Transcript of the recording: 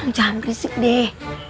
kamu jangan risik deh